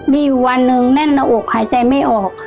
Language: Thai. บีววันนึงแน่นระอกหายใจไม่ออก